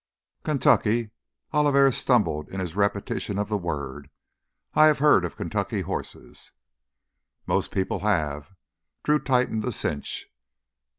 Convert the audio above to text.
"Kentucky ..." Oliveri stumbled in his repetition of the word. "I have heard of Kentucky horses." "Most people have." Drew tightened the cinch.